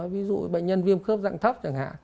ví dụ bệnh nhân viêm khớp dạng thấp